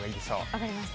分かりました。